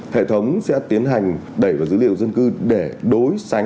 hệ thống sẽ tiến hành đẩy vào dữ liệu dân cư để đối sánh dữ liệu ở trong hệ thống